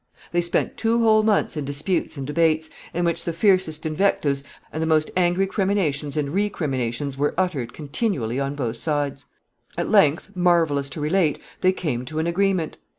] They spent two whole months in disputes and debates, in which the fiercest invectives and the most angry criminations and recriminations were uttered continually on both sides. At length, marvelous to relate, they came to an agreement.